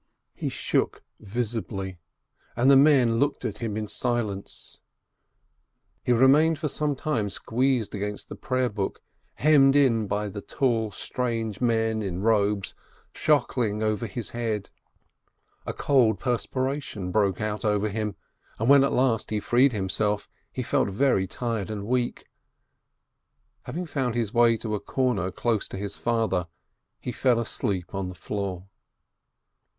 556 BERKOWITZ He shook visibly, and the men looked at him in silence: "Nu nu, mi mi!" He remained for some time squeezed against the prayer book, hemmed in by the tall, strange men in robes swaying and praying over his head. A cold perspiration broke out over him, and when at last he freed himself, he felt very tired and weak. Having found his way to a corner close to his father, he fell asleep on the floor.